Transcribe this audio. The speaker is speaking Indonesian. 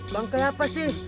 bangkai apa sih